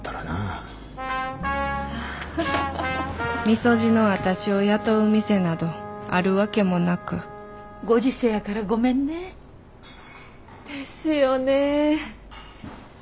三十路の私を雇う店などあるわけもなくご時世やからごめんね。ですよね。